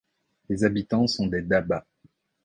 Les habitants sont des Daba.